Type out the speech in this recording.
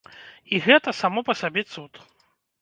І гэта само па сабе цуд.